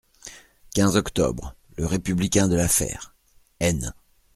quinze octobre., Le Républicain de La Fère (Aisne).